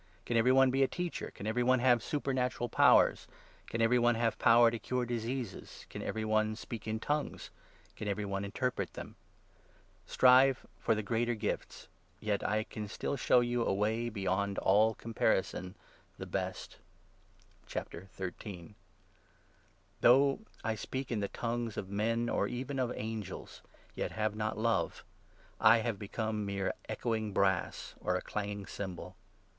can every one be a Teacher ? can every one have supernatural powers ? can every one have power to 30 cure diseases ? can every one speak in ' tongues '? can every one interpret them ? Strive for the greater gifts. 31 Love the Yet ^ can st^ show you a way beyond all greatest of comparison the best. Though I speak in i ••"• the ' tongues ' of men, or even of angels, yet have not Love, I have become mere echoing brass, or a clanging cymbal